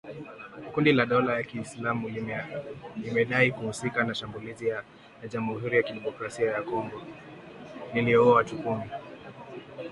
Kundi la dola ya kiislamu limedai kuhusika na shambulizi la Jamhuri ya Kidemokrasia ya Kongo lililoua watu kumi